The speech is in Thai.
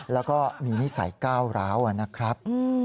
แล้วก็มีนิสัยก้าวร้าวนะครับ